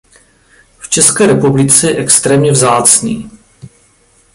V České republice je extrémně vzácný.